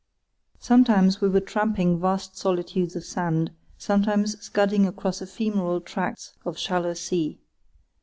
Sometimes we were tramping vast solitudes of sand, sometimes scudding across ephemeral tracts of shallow sea.